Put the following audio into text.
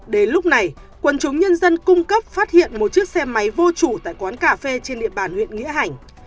đến lúc này quân chúng nhân dân cung cấp phát hiện một chiếc xe máy vô chủ tại quán cà phê trên địa bàn huyện nghĩa hành